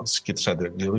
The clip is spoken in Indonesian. sekitar di situ